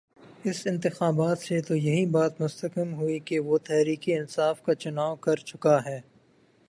اس انتخاب سے تو یہی بات مستحکم ہوئی کہ وہ تحریک انصاف کا چناؤ کر چکا ہے۔